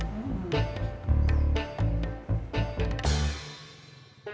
tidak ada yang bisa dikira